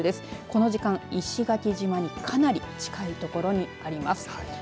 この時間、石垣島にかなり近い所にあります。